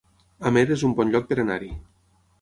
Amer es un bon lloc per anar-hi